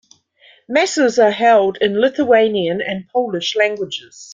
Masses are held in Lithuanian and Polish languages.